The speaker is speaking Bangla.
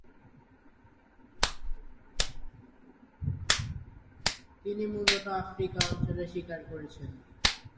তিনি মূলত আফ্রিকা অঞ্চলে শিকার করেছেন।